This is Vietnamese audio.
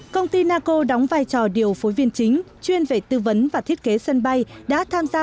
công ty naco đóng vai trò điều phối viên chính chuyên về tư vấn và thiết kế sân bay đã tham gia